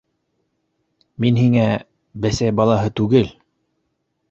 Мин һиңә... бесәй балаһы түгел!